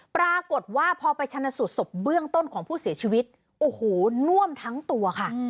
ปรากฏว่าพอไปชนะสูตรศพเบื้องต้นของผู้เสียชีวิตโอ้โหน่วมทั้งตัวค่ะ